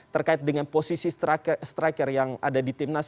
terkait dengan posisi striker yang ada di timnas